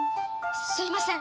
すいません！